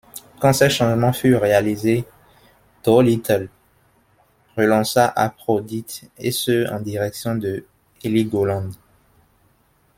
Quand ces changements furent réalisés, Doolittle relança Aphrodite, et ce en direction de Heligoland.